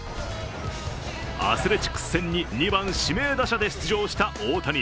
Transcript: アスレチックス戦に２番・指名打者で出場した大谷。